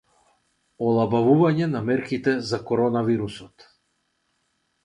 Олабавување на мерките за коронавирусот